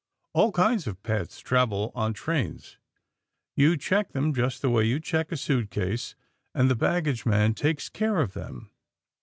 All kinds of pets travel on trains. You check them, just the way you check a suitcase, and the baggageman takes care of them.